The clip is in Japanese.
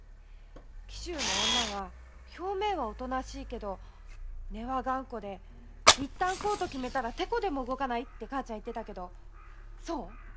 紀州の女は表面はおとなしいけど根は頑固で一旦こうと決めたらテコでも動かないって母ちゃんが言ってたけどそう？